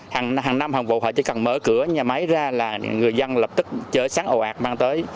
hằng năm hằng vụ họ chỉ cần mở cửa nhà máy ra là người dân lập tức chở sắn ồ ạt mang tới